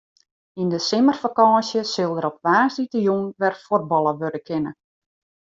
Yn de simmerfakânsje sil der op woansdeitejûn wer fuotballe wurde kinne.